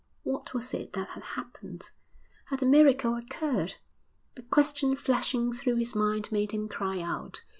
What was it that had happened? Had a miracle occurred? The question flashing through his mind made him cry out.